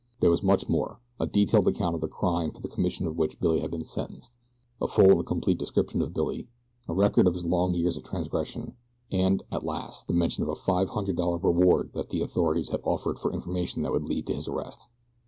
There was much more a detailed account of the crime for the commission of which Billy had been sentenced, a full and complete description of Billy, a record of his long years of transgression, and, at last, the mention of a five hundred dollar reward that the authorities had offered for information that would lead to his arrest.